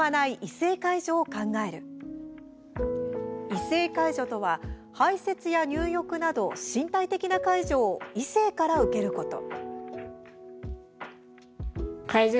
異性介助とは排せつや入浴など身体的な介助を異性から受けること。